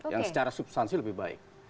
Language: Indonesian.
yang secara substansi lebih baik